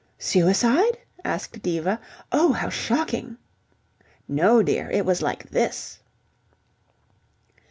"Suicide?" asked Diva. "Oh, how shocking!" "No, dear. It was like this.